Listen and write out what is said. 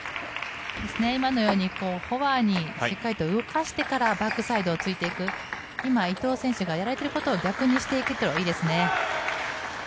今のようにフォアにしっかりと動かしてからバックサイドを突いていく今、伊藤選手がやられていることを逆にしていくといいですね。